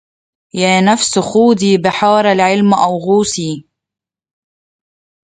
يا نفس خوضي بحار العلم أو غوصي